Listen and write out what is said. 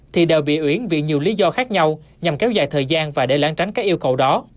thì đều bị uyển vì nhiều lý do khác nhau nhằm kéo dài thời gian và để lãng tránh các yêu cầu đó